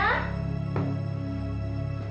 aku mau beli